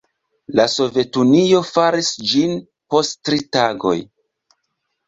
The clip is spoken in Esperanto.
La Sovetunio faris ĝin post tri tagoj.